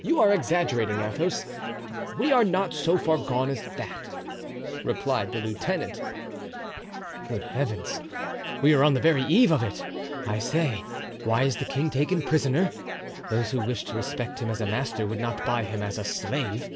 "You are exaggerating, Athos; we are not so far gone as that," replied the lieutenant. "Good heavens! we are on the very eve of it. I say, why is the king taken prisoner? Those who wish to respect him as a master would not buy him as a slave.